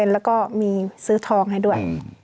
แล้วก็มีซื้อทองให้ด้วย